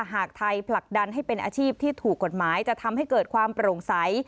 หากไทยผลักดันให้เป็นอาชีพที่ถูกกฎหมายจะทำให้เกิดความโปร่งใส